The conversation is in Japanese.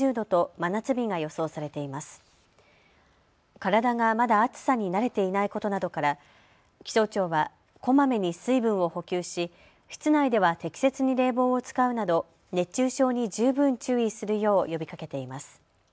体がまだ暑さに慣れていないことなどから気象庁はこまめに水分を補給し、室内では適切に冷房を使うなど熱中症に十分注意するよう呼びかけています。